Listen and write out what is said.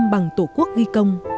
bốn mươi năm bằng tổ quốc nghi công